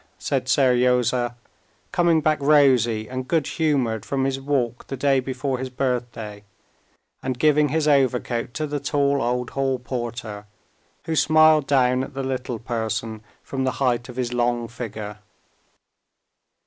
said Seryozha, coming back rosy and good humored from his walk the day before his birthday, and giving his overcoat to the tall old hall porter, who smiled down at the little person from the height of his long figure.